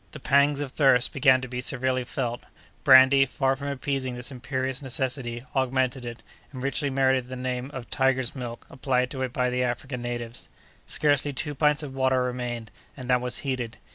The pangs of thirst began to be severely felt; brandy, far from appeasing this imperious necessity, augmented it, and richly merited the name of "tiger's milk" applied to it by the African natives. Scarcely two pints of water remained, and that was heated.